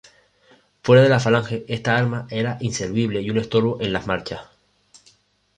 Fuera de la falange esta arma era inservible y un estorbo en las marchas.